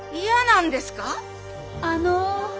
・あの。